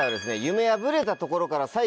夢破れたところから再起した